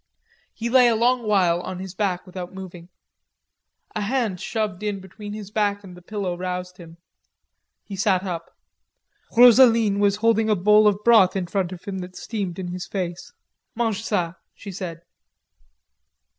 He lay a long while on his back without moving. A hand shoved in between his back and the pillow roused him. He sat up. Rosaline was holding a bowl of broth in front of him that steamed in his face. "Mange ca," she said.